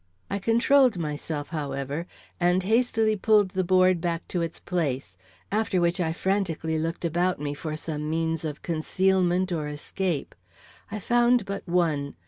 I controlled myself, however, and hastily pulled the board back to its place, after which I frantically looked about me for some means of concealment or escape. I found but one.